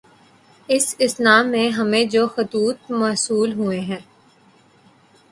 اس اثنا میں ہمیں جو خطوط موصول ہوئے ہیں